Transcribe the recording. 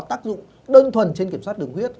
tác dụng đơn thuần trên kiểm soát đường huyết